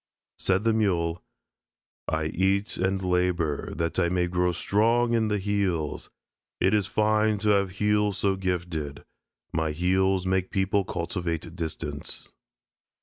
Said the Mule: "I eat and labor that I may grow strong in the heels. It is fine to have heels so gifted. My heels make people cultivate distance."